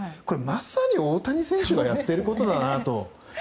これ、まさに大谷選手がやっていることだなと。